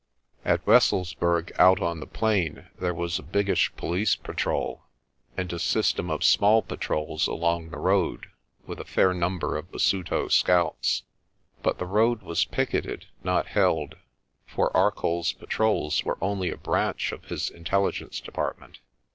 At Wesselsburg out on the plain there was a biggish police patrol, and a system of small patrols along the road, with a fair number of Basuto scouts. But the road was picketed, not held 5 for ArcolPs patrols were only a branch of his Intelligence Department.